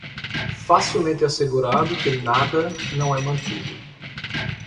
Facilmente assegurado que nada não é mantido.